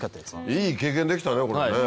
いい経験できたねこれね。